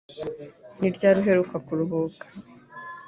Ni ryari uheruka kuruhuka?